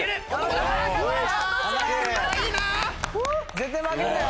絶対負けるなよ！